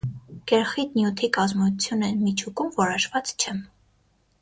Գերխիտ նյութի կազմությունը միջուկում որոշված չէ։